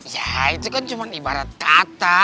ya itu kan cuma ibarat kata